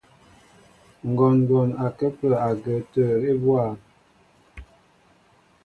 Ŋgɔɔŋgɔn ó kǝǝ agǝǝp atǝǝ ebóá.